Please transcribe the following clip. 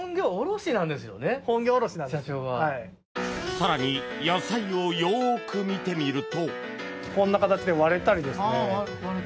更に野菜をよく見てみると。